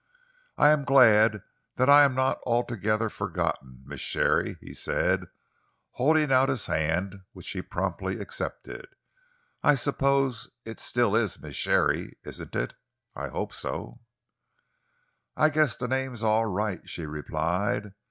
"I am glad that I am not altogether forgotten, Miss Sharey," he said, holding out his hand which she promptly accepted. "I suppose it still is Miss Sharey, is it? I hope so." "I guess the name's all right," she replied.